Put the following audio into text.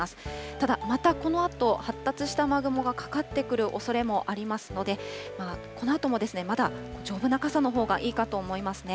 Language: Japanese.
ただ、またこのあと、発達した雨雲がかかってくるおそれもありますので、このあともまだ、丈夫な傘のほうがいいかと思いますね。